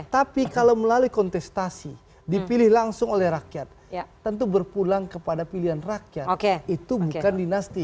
tapi kalau melalui kontestasi dipilih langsung oleh rakyat tentu berpulang kepada pilihan rakyat itu bukan dinasti